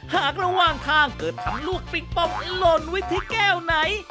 หากระหว่างทางเกิดทำลูกปิงปองหล่นไว้ที่แก้วไหน